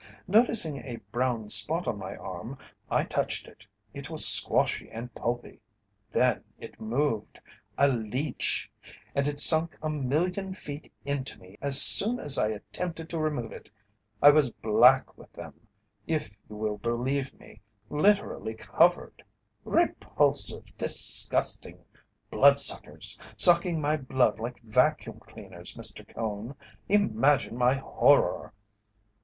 "Noticing a brown spot on my arm, I touched it. It was squashy and pulpy. Then it moved! A leech and it sunk a million feet into me as soon as I attempted to remove it. I was black with them, if you will believe me, literally covered. Repulsive, disgusting blood suckers, sucking my blood like vacuum cleaners, Mr. Cone! Imagine my horror."